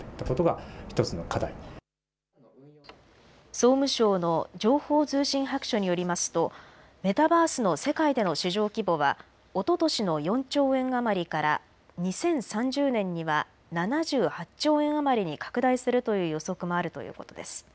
総務省の情報通信白書によりますとメタバースの世界での市場規模は、おととしの４兆円余りから２０３０年には７８兆円余りに拡大するという予測もあるということです。